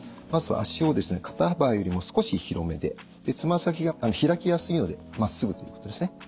まず足を肩幅よりも少し広めでつま先が開きやすいのでまっすぐということですね。